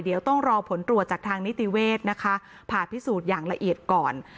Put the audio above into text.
เดี๋ยวต้องรอผลตรวจจากทางนิติเวศนะคะผ่าพิสูจน์อย่างละเอียดก่อน